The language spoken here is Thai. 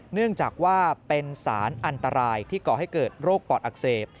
เนื่องจากว่าเป็นสารอันตรายที่ก่อให้เกิดโรคปอดอักเสบ